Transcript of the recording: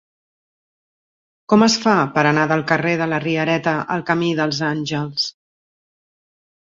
Com es fa per anar del carrer de la Riereta al camí dels Àngels?